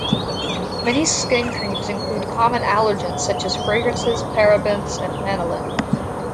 Many skin creams include common allergens such as fragrances, parabens, and lanolin.